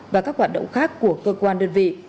và các hoạt động khác của cơ quan đơn vị